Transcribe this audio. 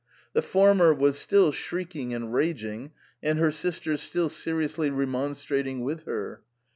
The former was still shrieking and raging, and her sister still seri ously remonstrating with her.